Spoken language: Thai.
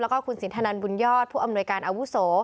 แล้วก็คุณสินทนันบุญยอดผู้อำนวยการอาวุโส